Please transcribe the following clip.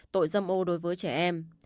tội dâm ô đối với trẻ em